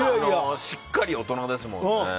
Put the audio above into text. しっかり大人ですもんね。